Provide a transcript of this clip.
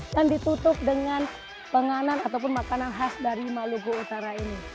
dan ditutup dengan penganan ataupun makanan khas dari maluku utara ini